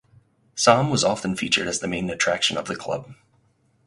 Sahm was often featured as the main attraction of the club.